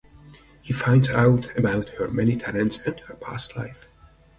He finds out about her many talents and her past life.